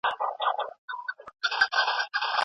د مسخرې کوونکي طلاق واقع کيږي.